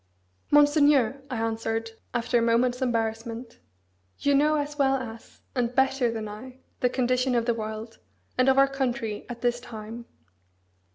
"Monseigneur," I answered, after a moment's embarrassment, "you know as well as, and better than I, the condition of the world, and of our country, at this time.